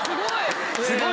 すごい。